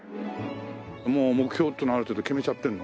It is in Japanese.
もう目標っていうのはある程度決めちゃってるの？